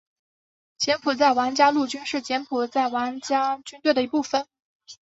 柬埔寨王家陆军是柬埔寨王家军队的一部分。